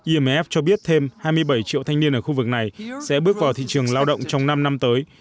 imf cho biết thêm hai mươi bảy triệu thanh niên ở khu vực này sẽ bước vào thị trường lao động trong năm năm tới